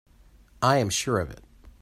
I am sure of it.